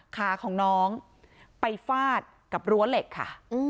ขาของน้องไปฟาดกับรั้วเหล็กค่ะ